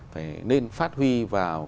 phải nên phát huy vào